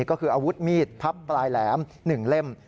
ก็คืออาวุธมีดพับปลายแหลม๑เล่ม